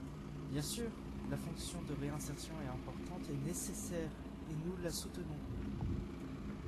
Bien sûr, la fonction de réinsertion est importante et nécessaire, et nous la soutenons.